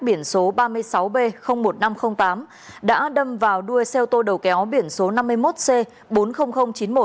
biển số ba mươi sáu b một nghìn năm trăm linh tám đã đâm vào đuôi xe ô tô đầu kéo biển số năm mươi một c bốn mươi nghìn chín mươi một